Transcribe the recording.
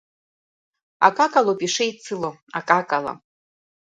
Акакала ауп ишеицыло, акакала.